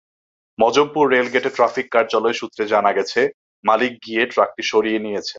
মজমপুর রেলগেটে ট্রাফিক কার্যালয় সূত্রে জানা গেছে, মালিক গিয়ে ট্রাকটি সরিয়ে নিয়েছেন।